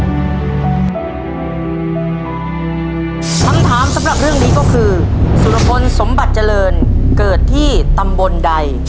คำถามสำหรับเรื่องนี้ก็คือสุรพลสมบัติเจริญเกิดที่ตำบลใด